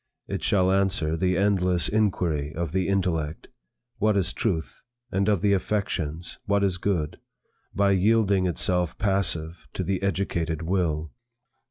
It shall answer the endless inquiry of the intellect, What is truth? and of the affections, What is good? by yielding itself passive to the educated Will.